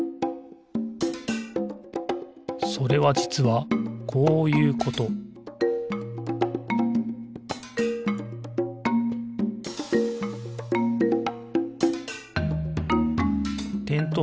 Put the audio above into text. それはじつはこういうことてんとう